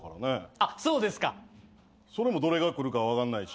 あそうですか。それもどれが来るかわかんないし。